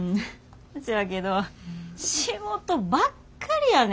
せやけど仕事ばっかりやねん